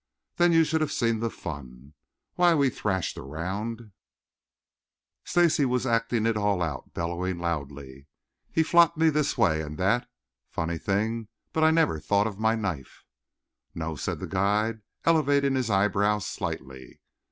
Then you should have seen the fun. Why we thrashed around" Stacy was acting it all out, bellowing loudly "he flopped me this way and that. Funny thing, but I never thought of my knife." "No?" said the guide, elevating his eyebrows slightly.